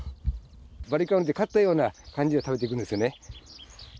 バリカンで刈ったような感じで食べていくんですよね。